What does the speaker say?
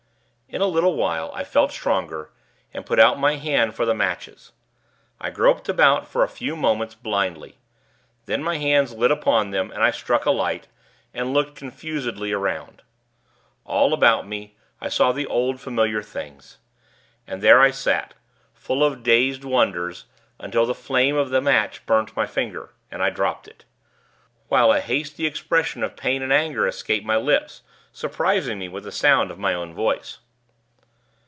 In a little while, I felt stronger, and put out my hand for the matches. I groped about, for a few moments, blindly; then my hands lit upon them, and I struck a light, and looked confusedly around. All about me, I saw the old, familiar things. And there I sat, full of dazed wonders, until the flame of the match burnt my finger, and I dropped it; while a hasty expression of pain and anger, escaped my lips, surprising me with the sound of my own voice.